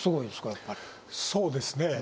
そうですね。